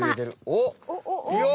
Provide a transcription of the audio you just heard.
おっ！